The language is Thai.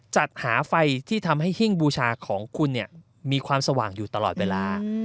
จัดหาไฟที่ทำให้หิ้งบูชาของคุณมีความสว่างอยู่ตลอดเวลา